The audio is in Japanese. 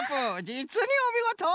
じつにおみごと！